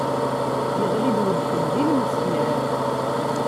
Yeɣli-d wedfel d ilmesyar.